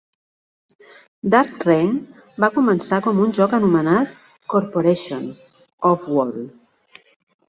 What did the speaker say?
"Dark Reign" va començar com un joc anomenat "Corporation: Offworld".